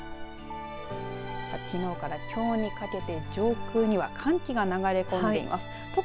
さあ、きのうからきょうにかけて上空には寒気が流れ込んでいます。